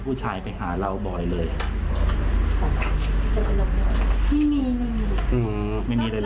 แล้วรู้ไหมนะว่าเป็นข่าวอะไรอย่างนี้ครับ